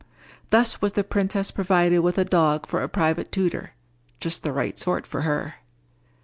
Thus was the princess provided with a dog for a private tutor—just the right sort for her.